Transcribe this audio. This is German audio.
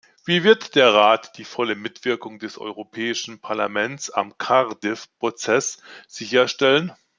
Wie wird der Rat die volle Mitwirkung des Europäischen Parlaments am Cardiff-Prozess sicherstellen?